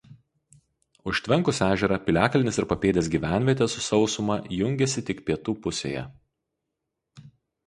Užtvenkus ežerą piliakalnis ir papėdės gyvenvietė su sausuma jungiasi tik pietų pusėje.